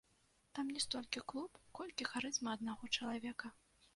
Там не столькі клуб, колькі харызма аднаго чалавека.